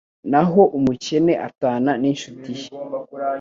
naho umukene atana n’incuti ye